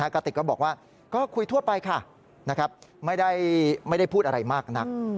กระติกก็บอกว่าก็คุยทั่วไปค่ะไม่ได้พูดอะไรมากนัก